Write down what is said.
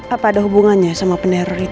apa ada hubungannya sama penderor itu